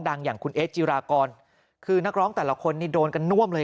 อย่างคุณเอสจิรากรคือนักร้องแต่ละคนนี่โดนกันน่วมเลย